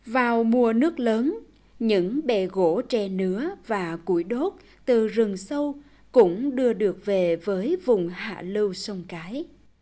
vào mùa nước lớn những bể gỗ tre nứa và geht quy đốt từ rừng sâu dẫn đối với vùng hạ lâu sông cái